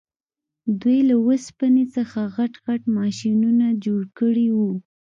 دوی له اوسپنې څخه غټ غټ ماشینونه جوړ کړي وو